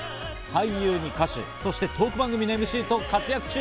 俳優に歌手、そしてトーク番組のＭＣと活躍中。